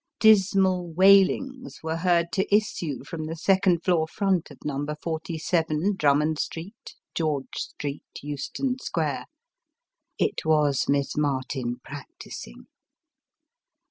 Dismal wailings were heard to issue from the second floor front of number forty seven, Drummond Street, George Street, Euston Square ; it was Miss Martin practising.